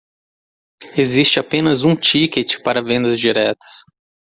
Existe apenas um ticket para vendas diretas